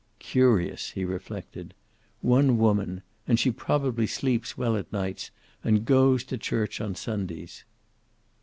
"Curious!" he reflected. "One woman! And she probably sleeps well at nights and goes to church on Sundays!"